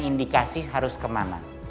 indikasi harus kemana